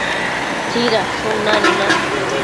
tsidadshun nanuna